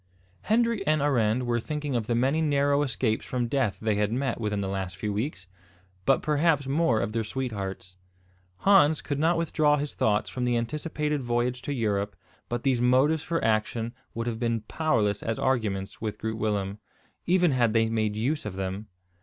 Hendrik and Arend were thinking of the many narrow escapes from death they had met within the last few weeks, but perhaps more of their sweethearts. Hans could not withdraw his thoughts from the anticipated voyage to Europe but these motives for action would have been powerless as arguments with Groot Willem, even had they made use of them.